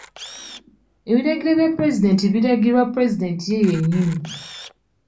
Ebiragiro by'pulezidenti birangirirwa pulezidenti ye nnyini.